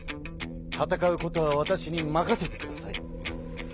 戦うことはわたしに任せてください。